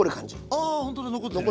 ああほんとだ残ってる。